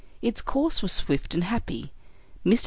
Its course was swift and happy. Mr.